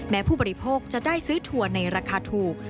ผู้บริโภคจะได้ซื้อถั่วในราคาถูก